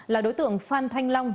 là đối tượng phan thanh long